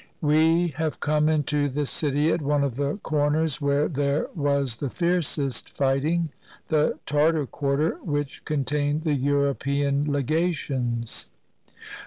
249 CHINA We have come into the city at one of the corners where there was the fiercest fighting, — the Tartar quarter, which contained the European legations.